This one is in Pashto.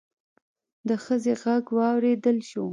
د ښځې غږ واوريدل شو.